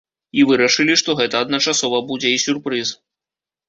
І вырашылі, што гэта адначасова будзе і сюрпрыз.